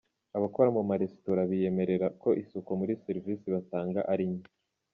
Abakora mu maresitora biyemerera ko isuku muri serivise batanga ari nke